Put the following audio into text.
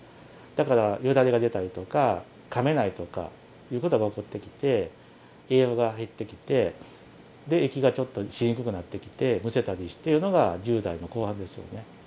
だからよだれが出たりとかかめないとかいうことが起こってきて、栄養が減ってきて、息がちょっとしにくくなってきて、むせたりしてというのが、１０代の後半ですよね。